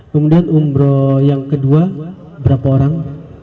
kemudian umroh yang kedua berapa orang